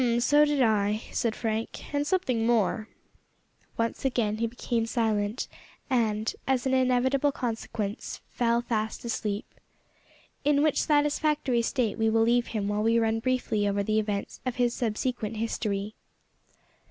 "Hm! so did I," said Frank, "and something more." Once again he became silent, and, as an inevitable consequence, fell fast asleep. In which satisfactory state we will leave him while we run briefly over the events of his subsequent history.